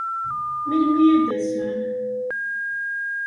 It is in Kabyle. Melmi ad d-asen?